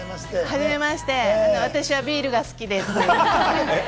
はじめまして、私はビールが好きです。